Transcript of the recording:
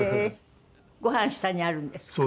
ご飯下にあるんですか？